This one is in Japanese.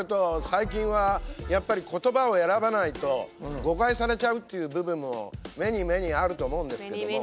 最近はやっぱり言葉を選ばないと誤解されちゃうっていう部分もメニーメニーあると思うんですけども。